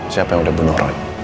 siapa yang udah bunuh roy